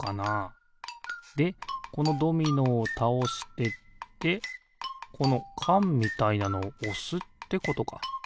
でこのドミノをたおしてってこのかんみたいなのをおすってことか。